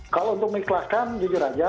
kalau untuk mengikhlaskan jujur aja